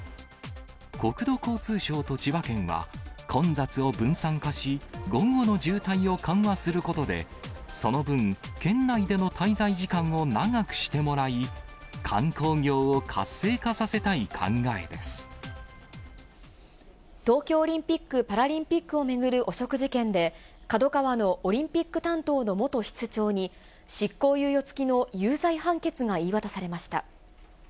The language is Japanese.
国土交通省と千葉県は、混雑を分散化し、午後の渋滞を緩和することで、その分、県内での滞在時間を長くしてもらい、東京オリンピック・パラリンピックを巡る汚職事件で、ＫＡＤＯＫＡＷＡのオリンピック担当の元室長に、執行猶予付きの有罪判決が言い渡されました。